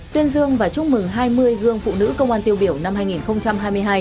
tuyên dương và chúc mừng hai mươi gương phụ nữ công an tiêu biểu năm hai nghìn hai mươi hai